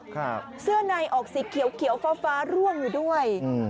ครับเสื้อในออกสีเขียวฟ้าร่วงอยู่ด้วย